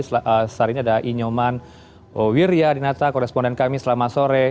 sekarang ini ada i nyoman wirya dinata koresponden kami selama sore